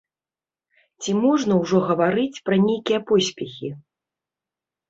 Ці можна ўжо гаварыць пра нейкія поспехі?